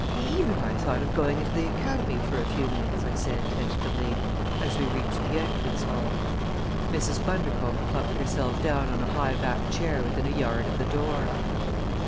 "Eve and I thought of going into the Academy for a few minutes," I said tentatively as we reached the entrance hall. Mrs. Bundercombe plumped herself down on a high backed chair within a yard of the door.